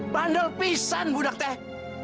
bandel pisan budak teh